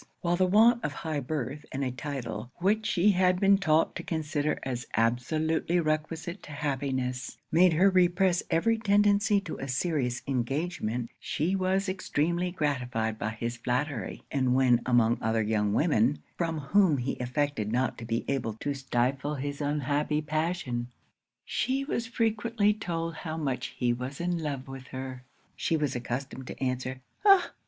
While the want of high birth and a title, which she had been taught to consider as absolutely requisite to happiness, made her repress every tendency to a serious engagement, she was extremely gratified by his flattery; and when among other young women (from whom he affected not to be able to stifle his unhappy passion,) she was frequently told how much he was in love with her, she was accustomed to answer 'Ah!